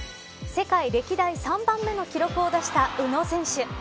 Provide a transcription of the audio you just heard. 世界歴代３番目の記録を出した宇野昌磨選手。